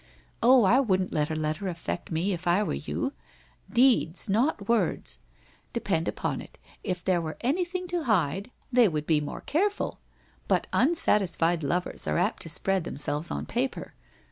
Oh, I wouldn't let a letter affect me if I were you. Deeds, not words. Depend upon it, if there was anything to hide 182 WHITE ROSE OF WEARY LEAF they would bo more careful. But unsatisfied lovers are apt to spread themselves on paper.